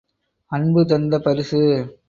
அன்பு தந்த பரிசு!